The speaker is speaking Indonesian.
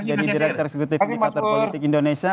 jadi direktur eksekutif inikator politik indonesia